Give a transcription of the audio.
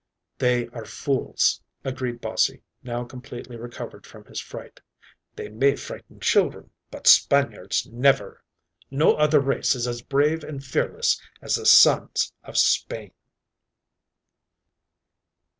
"They are fools," agreed Bossie, now completely recovered from his fright. "They might frighten children, but Spaniards never. No other race is as brave and fearless as the sons of Spain."